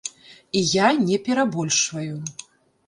І я не перабольшваю!